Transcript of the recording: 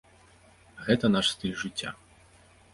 Гэта наш стыль жыцця.